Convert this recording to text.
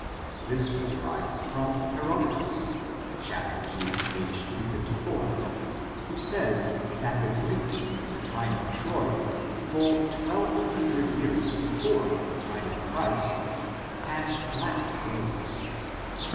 C. This we derive from Herodotus, chapter ii, p. 254, who says that the Greeks in the time of Troy, full twelve hundred years before the lime of Christ, had black slaves.